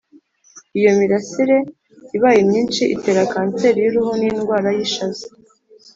iyo mirase ibaye myinshi itera kanseri y uruhu n indwara y ishaza